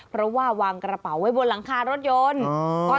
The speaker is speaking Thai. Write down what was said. เพราะว่าวางกระเป๋าไว้บนหลังคารถยนต์